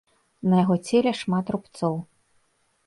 На яго целе шмат рубцоў.